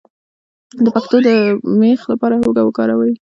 د پښو د میخ لپاره هوږه وکاروئ